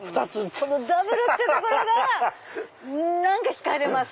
ダブルってところが何か引かれます。